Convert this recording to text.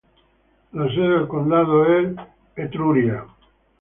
La sede del condado es Forman.